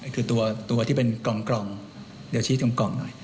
คือตัวที่เป็นกล่องเดี๋ยวชี้ตรงกล่องหน่อย